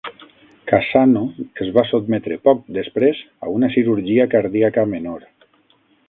Cassano es va sotmetre poc després a una cirurgia cardíaca menor.